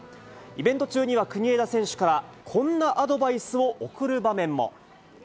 イベント中には、国枝選手からこんなアドバイスを送る場面も。